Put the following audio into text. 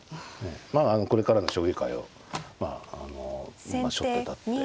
まああのこれからの将棋界をしょって立っていく。